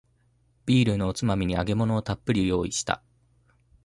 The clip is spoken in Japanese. ビールのおつまみに揚げ物をたっぷり用意した